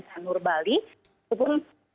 sanur bali itu pun